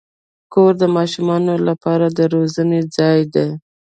کور د ماشومانو لپاره د روزنې ځای دی.